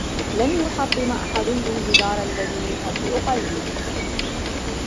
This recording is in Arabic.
لن يحطم أحدهم الجدار الذي يخبئ قلبي.